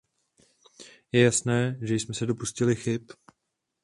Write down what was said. Je jasné, že jsme se dopustili chyb.